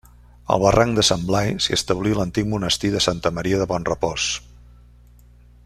Al barranc de Sant Blai s'hi establí l'antic Monestir de Santa Maria de Bonrepòs.